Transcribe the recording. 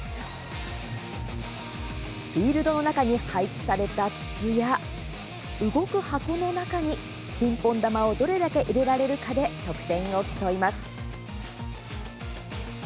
フィールドの中に配置された筒や動く箱の中にピンポン球をどれだけ入れられるかで得点を競います。